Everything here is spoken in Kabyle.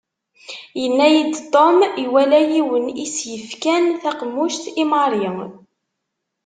Yenna-yi-d Tom iwala yiwen i s-yefkan taqemmuct i Mary.